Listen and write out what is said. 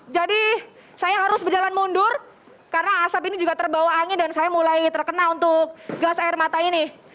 jadi saya harus berjalan mundur karena asap ini juga terbawa angin dan saya mulai terkena untuk gas air mata ini